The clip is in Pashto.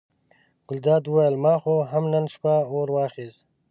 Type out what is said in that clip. ګلداد وویل ما خو هم نن شپه اور واخیست.